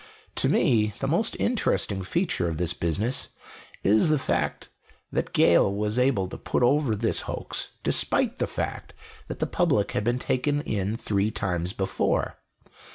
"To me, the most interesting feature of this business is the fact that Gale was able to put over this hoax, despite the fact that the public had been taken in three times before.